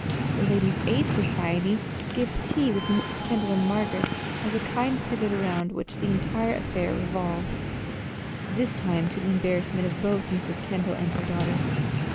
The Ladies' Aid Society gave a tea with Mrs. Kendall and Margaret as a kind of pivot around which the entire affair revolved this time to the embarrassment of both Mrs. Kendall and her daughter.